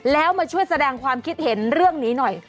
แล้วมาช่วยแสดงความคิดเห็นเรื่องนี้หน่อย